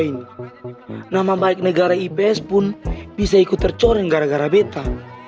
namanya nama baik negara ipah pun bisa ikut tercoreng gara gara bete